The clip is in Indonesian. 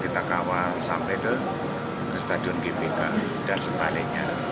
kita kawal sampai ke stadion gbk dan sebaliknya